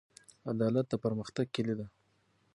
عدالت د پرمختګ کیلي ده.